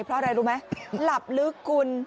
เพราะอะไรรู้ไหมหลับลึกคุณ